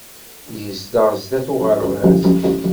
Yezdeɣ sdat uɣerbaz.